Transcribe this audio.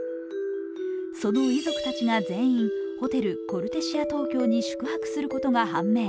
その遺族たちが全員、ホテル・コルテシア東京に宿泊することが判明。